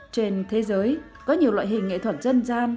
trên thế giới có nhiều loại hình nghệ thuật dân gian